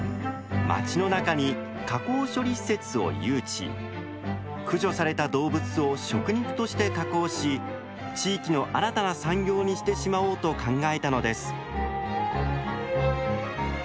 町の中に駆除された動物を食肉として加工し地域の新たな産業にしてしまおうと考えたのです。